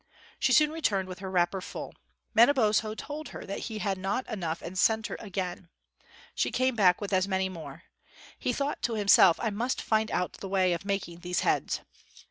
She soon returned with her wrapper full. Manabozho told her that he had not enough and sent her again. She came back with as many more. He thought to himself, "I must find out the way of making these heads."